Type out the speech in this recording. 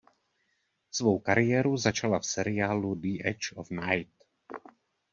Svou kariéru začala v seriálu "The Edge of Night".